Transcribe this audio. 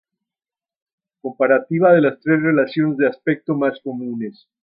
Comparativa de las tres relaciones de aspecto más comunes.